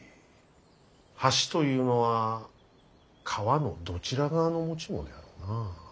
橋というのは川のどちら側の持ち物であろうな。